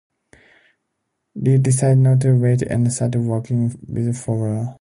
Leeb decided not to wait and started working with Fulber.